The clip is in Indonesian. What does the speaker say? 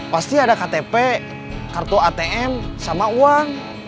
pasti ada ktp kartu atm sama uang